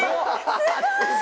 すごーい！